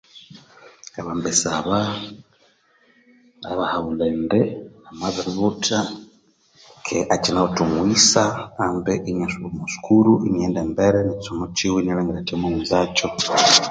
Abambesa aba ngabahabulha indi amabiributha akabya keghe akyinawithe omughisa kambi inasuba okwa sukuru inalholha embere ne ekyisomo kyiwe inalhangira athi amaghunza kyo.